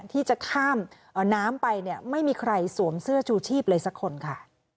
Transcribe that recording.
ที่จะข้ามน้ำไปเนี่ยไม่มีใครสวมเสื้อชูชีพเลยสักคนค่ะ